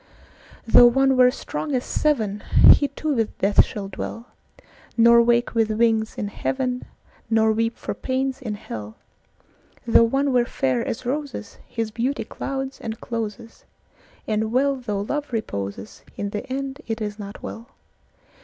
Though one were strong as seven, He too with death shall dwell, Nor wake with wings in heaven, Nor weep for pains in hell; Though one were fair as roses, His beauty clouds and closes; And well though love reposes, In the end it is not well.